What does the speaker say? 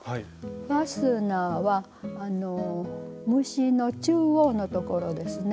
ファスナーは務歯の中央のところですね